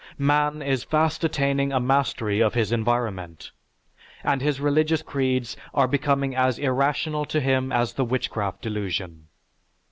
Man is fast attaining a mastery of his environment, and his religious creeds are becoming as irrational to him as the witchcraft delusion.